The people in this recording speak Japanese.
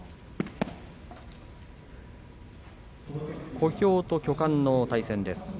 小兵と巨漢の対戦です。